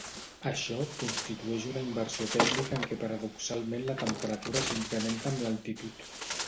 Això constitueix una inversió tèrmica en què paradoxalment la temperatura s'incrementa amb l'altitud.